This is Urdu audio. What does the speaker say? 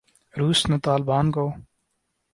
روس نے طالبان کو